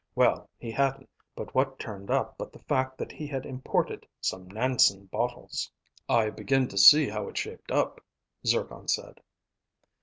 Well, he hadn't. But what turned up but the fact that he had imported some Nansen bottles." "I begin to see how it shaped up," Zircon said.